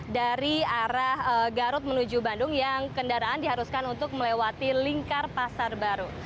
dari arah garut menuju bandung yang kendaraan diharuskan untuk melewati lingkar pasar baru